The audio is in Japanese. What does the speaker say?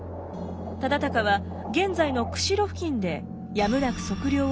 忠敬は現在の釧路付近でやむなく測量を断念します。